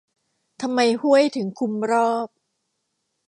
ทำไมห้วยถึงคลุมรอบ ?